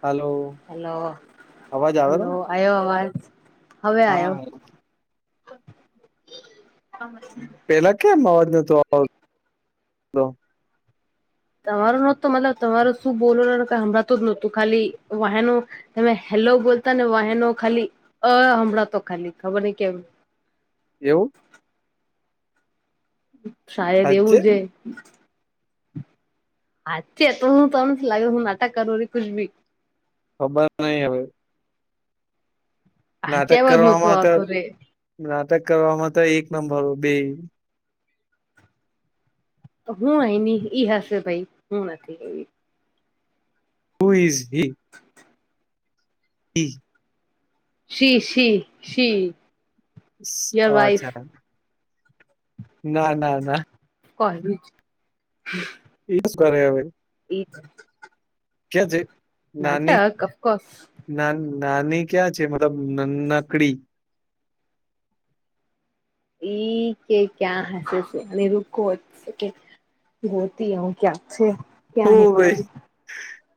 Hello- hello hello આવ્યો આવાજ હા પેલા કેમ અવાજ નતો તમારો નોતતો મતલબ તમારો શું બોલો હમણાં તો જ નોતું ખાલી વાહેનો તમે હેલો બોલતા ને વાહનો ખાલી અ હમણાં તો ખાલી ખબર નહી કેમ એવું. શાય દેવું સાચે છે. હાચ તો હું તણ લાગે હું નાટક કરું ર કછ બી ખબર નહી હવે હાચે નાટક અવાજ નહોતો કરવામાં તો આવતો રે નાટક કરવામાં તો એક નંબર બે હું એની ઈ હશે ભાઈ હું નથી એવી હુ ઇઝ હી જી શી, શી, શી. હ, યોર વાઈફ ચાલ. ના, ના, ના. કોલેજ. એ શું કર્યા આવે? એ જ. કેમ છે? નાની નાટક, અફકોસ. ના, નાની ક્યાં છે? મતલબ નાનકડી. ઈ કે ક્યાં હસે છે, અને રખવું કે. હોતી હું ક્યા છે? હો ક્યાં હે ખબર ભાઈ,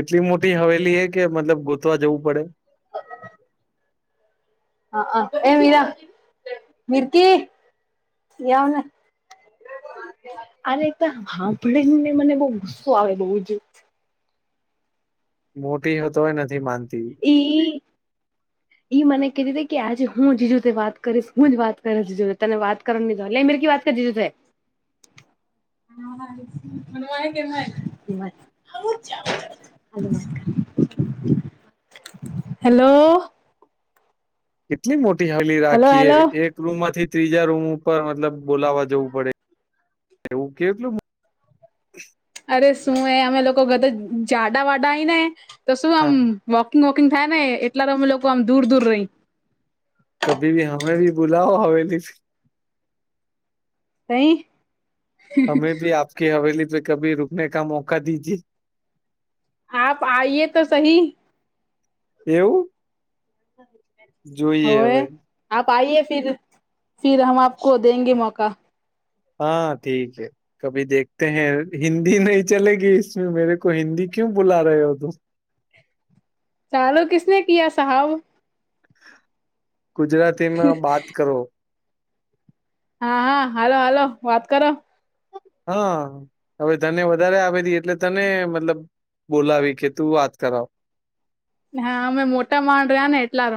એટલી મોટી હવેલી હે કે મતલબ ગોતવા જવું પડે. હા હા એ મીરા મર્કીી વને [inaudible] આ એકાદ સાંભળીને મને બહુ ગુસ્સો આવે બઉુ જ. મોટી હોય, તોય નથી માનતી. એ. ઈ મને કેતી હતી કે, આજે હું જીજું જોડે વાત કરીશ. હું જ વાત કરીશ જીજું, તને વાત. કરનીધ લહી મે ક વાત કરી દી ત. [inaudible] [unintelligible] હેલો. કેટલી મોટી હવેલી હેલો રાખીએ હેલો એક. રૂમ માંથી ત્રીજા રૂમ ઉપર, મતલબ બોલાવા જવું પડે એવું કેવું. અરે શું, એ અમે લોકો ગધા-જાડા-વાડા આવીય ને તો શું આમ? હા વોકિંગ વોકિંગ થાય ને એટલા તો અમે લોકો આમ દૂર દૂર રહીએ. કભી ભી હમે ભી બુલાઓ હવેલીથી. નઈ. હમે ભી આપકી હવેલી પે કભી રૂકને કા મોકા દીજે. આપ આઈએ તો સહી. એવું. જોઈએ હોએ. હવે આપ આઈએ, ફર ફર હ આપકો દેગે મોકા. હા, ઠીક છે. કભી દેખતે હૈ, હિન્દી નહીં ચલેગી. મેરે કો હિન્દી ક્યુ બુલા ર હો તું? ચાલો, કીસને ક સાહેબ. ગુજરાતીમાં વાત કરો. હા હા, હલો હાલો, વાત કરો. હા, હવે તને વધારે આવે એટલે તને મતલબ. બોલાવી કે તું વાત કરાવ. હા, અમે મોટા માણ રહ્યા ને, એટલા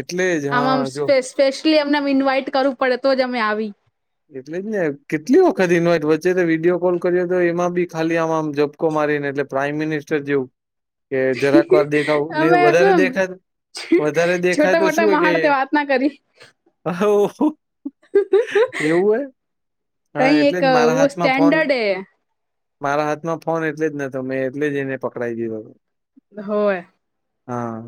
એટલે જ આમાંમ હા જો સ્પેસ. સ્પેશ્યલી અમને ઇન્વાઈટ કરવું પડે તો જ અમે આવીએ. એટલે જ ને, કેટલી વખત ન હોય વચ્ચે તો વિડીયો કોલ કર્યો, તો એમાં બી ખાલી આમ આમ જ. ક મારીને એટલે પ્રાાઈમ મિનિસ્ટર જેવું કે, જરાકવાર દેખાવું ને અમે વધારે શું દેખાય. વધારે દેખાય છોટા તો મોટા શું કે. મહાણ તે વાત ના હોય હા તહી એટલે એક જ મારા વ હાથમાં ફોન સ્ટન્ડર્ડ હૈ. મારા હાથમાં ફોન એટલે જ નતો, મેં એટલે જ એને પકડાઈ દીધો હતો. હા.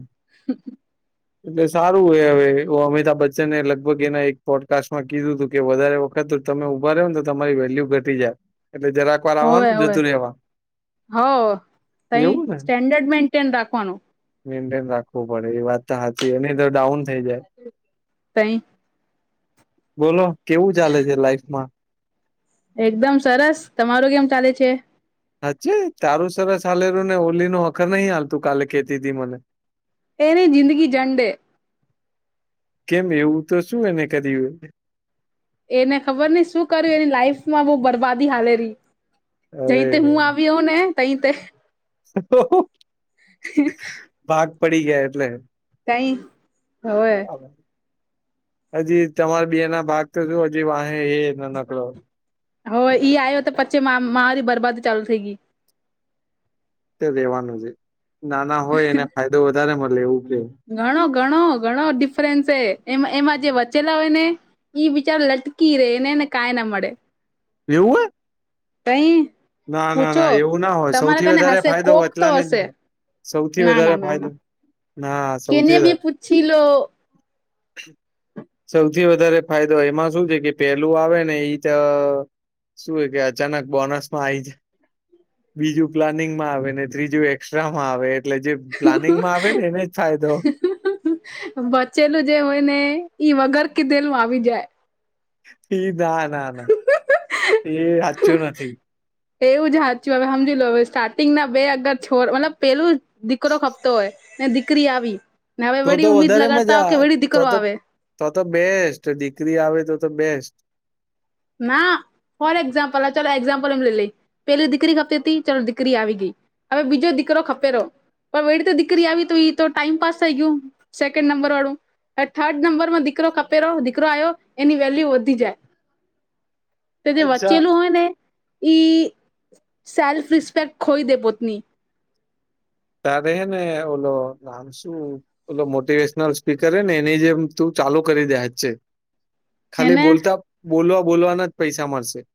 [inaudible] એટલે સારું હો. હવે અમિતાભ બચ્ચને એ લગભગ એના એક પોડકાસ્ટમાં કીધું હતું કે, વધારે વખત તમે ઉભા રહો ને તો તમારી વેલ્યુ ઘટી જાય, એટલે જરા. હોવે હોવે, હો સાહી, એવું ને સ્ટેન્ડર્ડ મેન્ટેન રાખવાનું. મેન્ટેન રાખવું પડે, એ વાત તો સાચી એની તો ડાઉન થઈ જાય. તઈ બોલો કેવું ચાલે છે લાાઈફમાં? એકદમ સરસ તમારો કેમ ચાલે છે. હચ્ તારું સરસ હાલેલું ને ઓલી નો અખર નહી હાલતું કાલે ખેતીથી મને. તેની જિંદગી જંડે. કેમ એવું તો શું એને કર્યું. એને ખબર નહ શું કર્યું એની લાઈફ માં બહ બરબાદી હાલે રી. જઈ અરે તે હું આવી્યોઉ ને તઈ તે ભાગ પડી ગયા એટલે તઈ હોવે બરાબર. હજી તમારા બે ના ભાગ તો શું હજી વાહે એ નકળો હો ઈ આવ્યો તો પછી મારી બરબાદી ચાલુ થઈ ગઈ. રેવાનું છે નાના હોય એને ફાયદો વધારે મળે એવું. ઘણો ઘણો ઘણો ડિફરન્સ છે એ એમાં જે વચેલા હોય ને એ બ વિચાર લટકી રે એનેને કાયના મળે. પવું. તે. ના ના ના એવું ના હોય સૌથી વધારે હશે ફાયદો કોક તો વલાને જ હશે મળે સૌથી ના ના વધારે ના ફાયદો ના સૌથી વધારે છલો. સૌથી વધારે ફાયદો એમાં શું છે કે પેલું આવે ને એઈ તો શું એ કે અચાનક બોનસ માં આ આવી જ બીજું પ્લાનિંગમાં આવે ને ત્રીજું એસ્ટ્રામાં આવે એટલે જે પ્લાનિંગ માં આવે ને એને જ ફાયદો. બચેલું જે હોય ને ઈ વગર કીધેલમાં આવી જાય. એ ના ના ના એ સાચું નથી. એવું જ સાચું હવે સમજી લો હવે સ્ટાર્ટિંગ ના બે અગર છોડ મતલબ પેલું દીકરો ખપતો હોય ને દીકરી આવી ને હવે તો તો વળી ઉમીદ વધારે લગાડતા હો મજા કે વળી તો દીકરો તો આવે. તો તો બેસ્ટ દીકરી આવે તો તો બેસ્ટ. ના. ફોર એક્ઝામ્પલ ચાલ એક્ઝામ્પલ એમ લઈ લઈ પેલી દીકરી ખતી હતી ચાલો દીકરી આવી ગઈ. હવે બીજો દીકરો ખપે ર. પણ વેળી તો દીકરી આવી તો એ તો ટાઈમ પાસ થઈ ગયું સેકન્ડ નંબર વાળું. હ થર્ડ નંબરમાં દીકરો કપે ર દીકરો આવ્યો એની વેલ્યુ વધી જાય. તે જે અચ્છા વચ્ચેલું હોય ને એ સેલ્ફ રિસ્પેક્ટ ખોઈ દે પોતની. ત દેહ ને ઓલો. શું મોટિવેશનલ સ્પીકર હ ને એની જેમ તું ચાલુ કરી દે જ છે. ખાલી હેને બોલતા બોલવા બોલવાના જ પૈસા મળશે.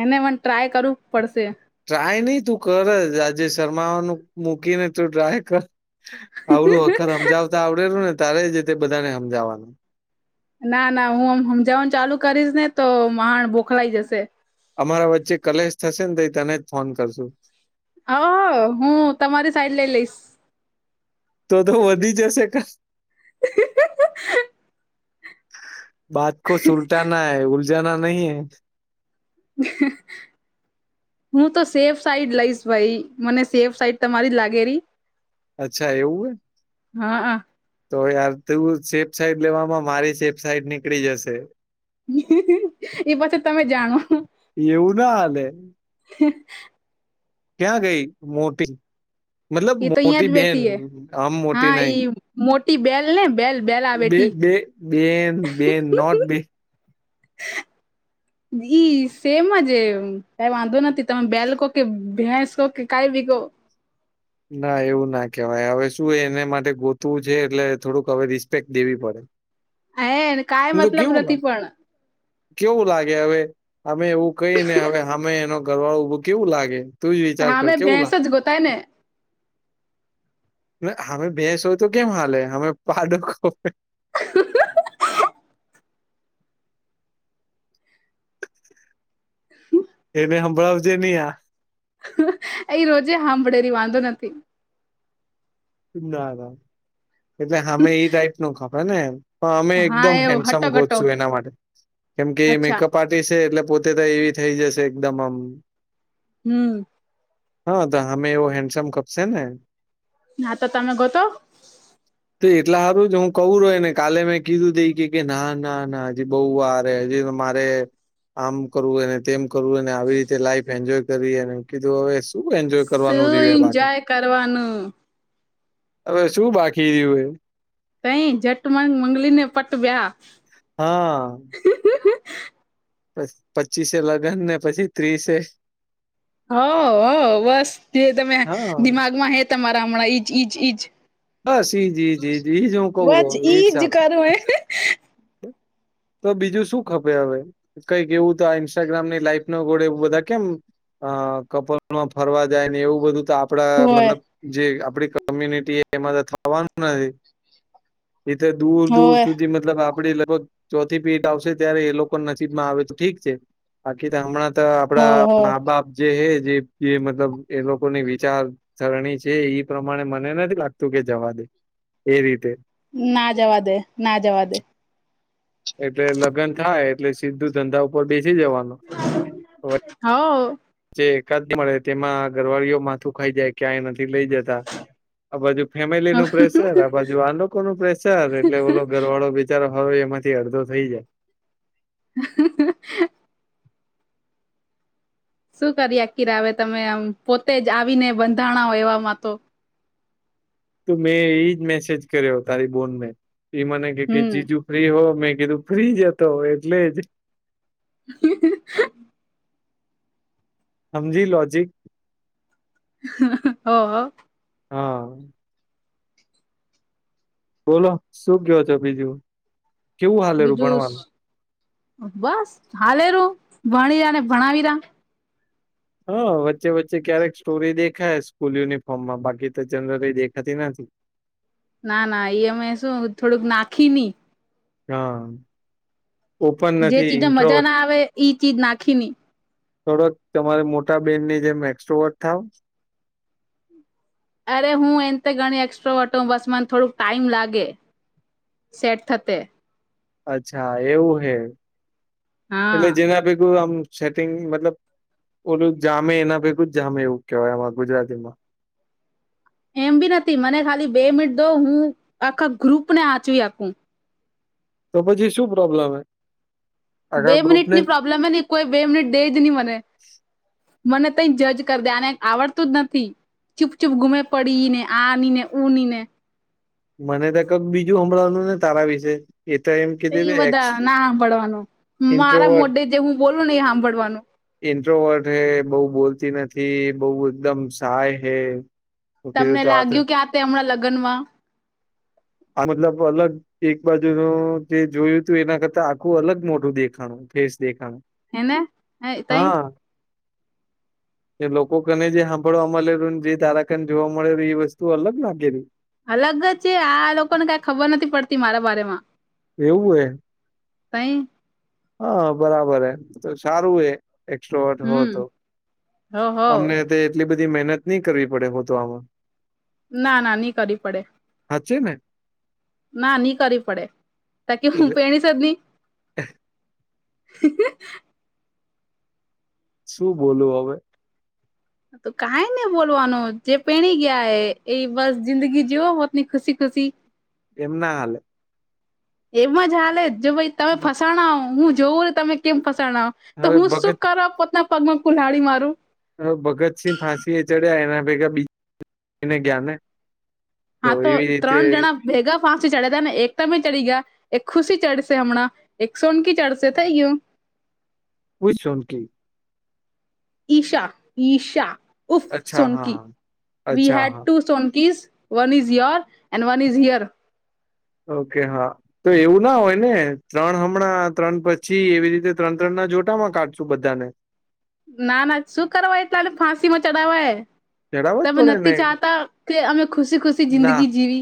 એને મને ટ્રાય કરવું જ પડશે. ટ્રાય નહી તું કર જ આજે શરમાવાનું મૂકી ને તું ટ્રાય કર. આવડું અખર સમજાવતા આવડેલું ને તારે જ તે બધાને સમજાવવાનું. ના ના હુંમજવાનું ચાલુ કરીશ ને તો ાણ બોખલાઈ જશે અમારા વચ્ચે કલેશ થશે ને તો તને જ ફોન કરશું હ હું તમારી સાઈડ લઈ લઈશ. તો તો વધી જશે ક. બાત કો સુલટાના હૈ ઉલજના નહીં હૈ [inaudible] હું તો સેફ સાઈડ લઈશ ભાઈ મને સેફ સાઈડ તમારી લાગે રી. અચ્છા એવું હો. હા હા. તો યાર તું સેફ સાઇટ લેવામાં મારી સેફ સાઇટ નીકળી જશે. એ પાછ તમે જાણો. એવું ના હાલે ક્યાં ગઈ મોટી મતલબ [inaudible] એ તો અહિયાં મોટી જ બેન બેઠી હ આમ મોટી હા નહી ઈ મોટી બેલ ને બેલ બેલ આ બે બેઠી બે બેન બેન નોટ બેન [inaudible] ઈ સેમ જ કઈ વાંધો નથી તમે બેલકો કે ભેંસ કો કે કઈ બી ના એવું ના કેહેવાય હવે શું એને માટે ગોતવું છે એટલે થોડુંક હવે રિસ્પેક્ટ દેવી પડે હે કાઈ મ મતલબ કેવું નથી લાગે પણ કેવું લાગે હવે અમે એવું કઈને હવે અમે એનો ઘરવાળો ઉભો કેવું લાગે તુંજ વિચાર કર હામે કેવું ભેંસ લાગે ગોતાય ને અમે ભેંસ હોય તો કેમ હાલે અમે પાડો એને હંભળવજે ન આ અ રોજે સાંભળેરી વાંધો નથી ના ના એટલે હમે એ ટાઈપ નો ખે ને એમ પણ અમે હા એકદમ એ હેન્ડસમ હટો ઘટો ગોતશું એના માટે કેમકે અચ્છા મેકઅપ પાર્ટી છે એટલે પોતે તો એવી થઈ જશે એકદમ આમ હમ હા તો અમે એવો હેન્ડસમપ ખપશે ને ના તો તમે ગોતો તો એટલા સારું જ હું કહું રોને કાલે મેં કીધું તઈ કે ના ના ના બહ વારે હજી મારે આમ કરવું એ તેમ કરવુંને આવી રીતે લાઈફ એન્જોય કરવી એ કીધું હવે શું એન્જોય કરવાનું સું રહ્યું હે બાકી. એન્જોય કરવાનું હવે શું બાકી રહ્યું એ કઈ ટ મંગલી ને પટવ્યા હા પ પચીસ લગ્ન ને પછી ત્રીસે હ હ બસ જે તમે હા, દિમાગમાં હે તમારા હમણાં ઈજ ઈજ ઈજ બસ ઈ જ, ઈ જ, ઈ જ, ઈ જ હું કઉ બસ રયો ઈ જ સારું. કરો એ તો બીજું શું ખપે હવે કંઈક એવું તો આ ઇન્સ્ટાગ્રામ ની લાઈફ નો ગોળે એવું બધા કેમ અ કપલમાં ફરવા જાય ને એવું બધું તો આપ આપડા હોય મતલબ જે આપડી કોમ્યુનિટી એમાં થવાનું નથી એ તો દૂર દૂર હોય સુધી મતલબ આપ આપ લગભગ ચોથી પેટ આવશે ત્યારે એ લોકો નસીબ માં આવે તો ઠીક છે બાકી તો હમણાં હોય આપડા હોય મા બાપ જે હે જે મતલબ એ લોકોની વિચાર સરરણી છે ઈ પ્રમાણે મને નથી લાગતું કે જવા દે એ રીતે ના જવા દે ના જવા દે એટલે લગ્ન થાય એટલે સીધું ધંધા ઉપર બેસી જવાનું હ જે એકાદ મળે તેમાં ઘરવાળીઓ માથું ખાઈ જાય ક્યાંય નથી લઇ જ આ બાજુ ફેમિલી નું પ્રેશર આ બાજુ આ લોકો નું પ્રેશર એટલે ઓ અગરવાળો બેચારો હો એમાંથી અડધો થઈ જાય હ શું કરી આકી રાવે તમે આમ પોતે જ આવીને બંધાણા હો એવા માં તો. તો મેં એજ મેસેજ કર્યો તારી બોનને એ મને કે કે હમ જીજુ ફ્રી હો મેં કીધું ફ્રી જતો હો એટલે જ હ સમજી લોજિક હો હ હા બોલો શું કયો છો બીજું? કેવું હાલેરું ભણવાનું બીજું બસ હાલેરું ભાણીયાને ભણાવીરા. હા વચ્ચે વચ્ચે ક્યારેક સ્ટોરી દેખાય સ્કૂલ યુનિફોર્મમાં બાકી તો જનરલી દેખાતી નથી. ના ના એ અમે શું થોડુંક નાખી ની. હહ જે ચીજમાં મજા ના આવે ઈ ચીજ નાખી ની. થોડોક તમારે મોટા બેનની જેમ એક્સપર્ટ થાવ. અરે હું એમ ત ઘણી એસ્ટ્રવટ હઉ બસ મને થોડુંક ટાઈમ લાગે. સેટ થતે. અચ્છા એવું હે? એટલે હા જેના ભેગું આમ સેટિંગ મતલબ ઓલું જામે એના ભેગું જ જામે એવું કેવાય આવા ગુજરાતીમાં. એમ બી નથી મને ખાલી બે મિનટ દો હું આખા ગ્રુપને આચવી હકુ. તો પછી શું પ્રોબ્લેમ હે? બે આખા ગ્રુપને મિનિટની જ? પ્રોબ્લેમ હે ને કોઈ બે મિનિટ દેજ ની મને. મને તઈ જ જજ કર દે આને આવડતું જ નથી. ચૂપચૂપ ગુમે પડી ને આની ને ઉ ની ને મને ત કક બીજું હાભળવાનું ને તારા વિશે. એ તો એમ કીધી ઈ કે એક્સ બધા ના હાભળવાનું. મારા ઇન્ટ્રોવર્ટ મોઢે જે હું બોલું ને એ હાભળવાનું. ઇન્ટ્રોવર્ટ હે, બહુ બોલતી નથી, બહુ એકદમ સાય હે. તો કીધું તમને તો આ તો લાગ્યું કે આપે હમણાં લગ્નમાં? આ મતલબ અલગ એક બાજુનું જે જોયું તું એના કરતા આખું અલગ મોઢું દેખાણું, ફેસ દેખાણું. હેને તઈ હા એ લોકો કને જે હાભળવા મલેરુ ને જે તારા કન જોવા મળેરુ ઈ વસ્તુ અલગ લાગેરી. અલગ જ હે આ લોકોને કાઈ ખબર નથી પડતી મારા બારેમાં. એવું હે? તઈ. હા બરાબર હે. તો સારું હે. એકસ્ટ્રવટ હો હમ તો. હ હ અમને તે એટલી બધી મહેનત ની કરવી પડે હોધવામાં ના ના ની કરવી પડે. હાચે ને? ના ની કરવી પડે. તાકી હું એટલે પેણીસ જ ની. હ શું બોલું હવે? હા તો કાઈ ની બોલવાનું જે પેણી ગયા હે એ બસ જિંદગી જીવો પોતની ખુશી ખુશી. એમ ના હાલે. એમજ હાલે જો ભાઈ તમે ફસાણા હું જોઉ હું તમે કેમ ફસાણા હો. તો હવે હું શું ભગત કરવા પોતના પગમાં કુલાડી મારું. હવે ભગતસિંહ ફાંસી એ ચડ્યા એના ભેગા બીજને ગયા ને? હા તો એવી રીતે ત્રણ જણા ભેગા ફાંસી ચડ્યાતા ને એક તમે ચડી ગયા, એક ખુશી ચડશે હમણાં. એકસો ન કી ચારશે થઈ ગયું હું ઇસ ઝોનકી ઈશા ઈશા ઉફ અચ્છા સોનકી. હા વી અચ્છા હા હેડ two સોનકીઝ. One is your and one is here. Okay હા. તો એવું ના હોય ને ત્રણ હમણાં, ત્રણ પછી એવી રીતે ત્રણ ત્રણના જોટામાં કાઢશું બધાને. ના ના શું કરવા એટલા ને ફાંસીમાં ચડાવા હે. જણાવો જ તમે પડે ને નથી ચાહતા કે અમે ખુશી ખુશી ના જિંદગી જીવી